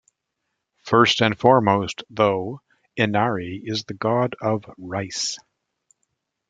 First and foremost, though, Inari is the god of rice.